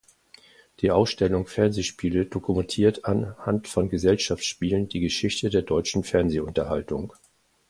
Die Ausstellung "Fernsehspiele" dokumentiert anhand von Gesellschaftsspielen die Geschichte der deutschen Fernsehunterhaltung.